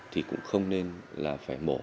thì cũng không nên là phải mổ